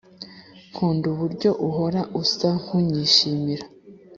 nkunda uburyo uhora usa nkunyishimira